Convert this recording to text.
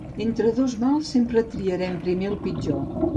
Entre dos mals, sempre triarem primer el pitjor.